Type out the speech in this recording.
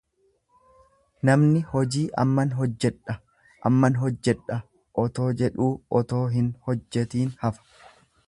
Namni hojii amman hojjedha, amman hojjedha otoo jedhuu otoo hin hojjetiin hafa.